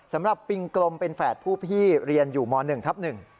ปิงกลมเป็นแฝดผู้พี่เรียนอยู่ม๑ทับ๑